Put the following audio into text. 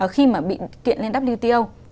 khi mà bị kiện lên wto